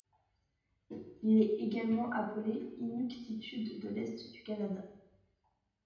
Il est également appelé inutktitut de l'Est du Canada.